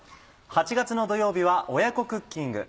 ８月の土曜日は親子クッキング。